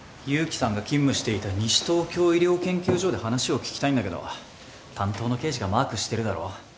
勇気さんが勤務していた西東京医療研究所で話を聞きたいんだけど担当の刑事がマークしてるだろ？